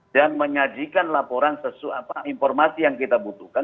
dan menyajikan laporan informasi yang kita butuhkan